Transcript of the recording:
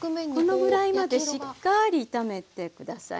このぐらいまでしっかり炒めて下さいね。